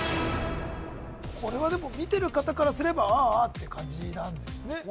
これはでも見てる方からすれば「ああ」って感じなんですね